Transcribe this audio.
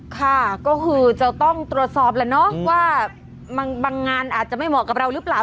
ค่ะก็คือจะต้องตรวจสอบแล้วเนาะว่าบางงานอาจจะไม่เหมาะกับเราหรือเปล่า